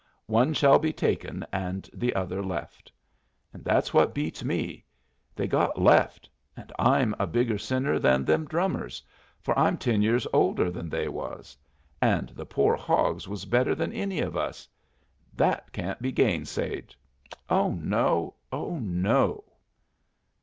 'One shall be taken and the other left.' And that's what beats me they got left; and I'm a bigger sinner than them drummers, for I'm ten years older than they was. And the poor hogs was better than any of us. That can't be gainsaid. Oh no! oh no!"